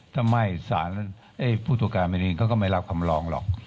ถ้าไม่พุทธกรรมนี้เขาก็ไม่รับคำลองหรอก